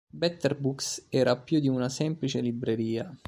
Better Books era più di una semplice libreria.